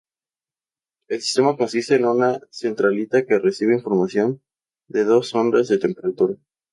El sistema consiste en una centralita que recibe información de dos sondas de temperatura.